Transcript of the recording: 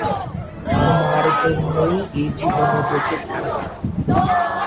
তোমার জন্যই এজীবনে বেঁচে থাকা।